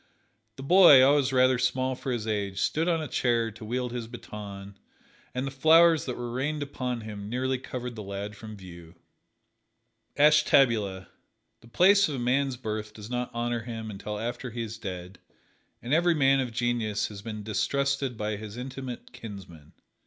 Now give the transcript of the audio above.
The boy, always rather small for his age, stood on a chair to wield his baton, and the flowers that were rained upon him nearly covered the lad from view. Ashtabula: The place of a man's birth does not honor him until after he is dead, and every man of genius has been distrusted by his intimate kinsmen.